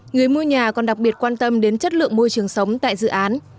người mua nhà còn đặc biệt quan tâm đến chất lượng môi trường sống tại dự án